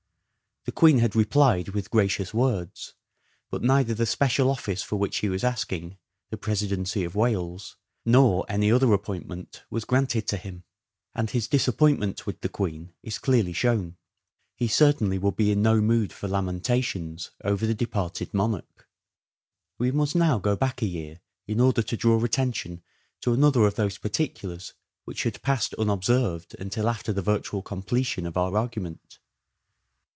The Queen had replied with gracious words, but neither the special office for which he was asking, the Presidency of Wales, nor any other appointment was granted to him ; and his disappoint ment with the Queen is clearly shown. He certainly 398 "SHAKESPEARE" IDENTIFIED would be in no mood for lamentations over the departed monarch. Oxford's We must now go back a year in order to draw reappear attention to another of those particulars which had ance. passed unobserved until after the virtual completion of our argument.